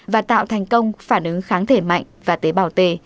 và tạo thành công phản ứng kháng thể mạnh và tế bào t